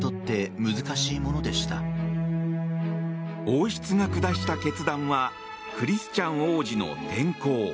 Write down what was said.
王室が下した決断はクリスチャン王子の転校。